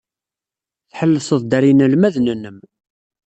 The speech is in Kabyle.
Tḥellseḍ-d ɣer yinelmaden-nnem.